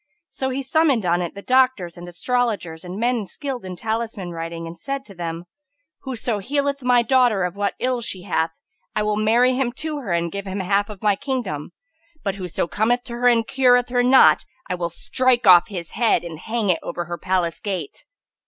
So he summoned on it the doctors and astrologers and men skilled in talisman writing and said to them, "Whoso healeth my daughter of what ill she hath, I will marry him to her and give him half of my kingdom; but whoso cometh to her and cureth her not, I will strike off his head and hang it over her palace gate."